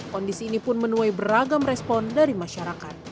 kondisi ini pun menuai beragam respon dari masyarakat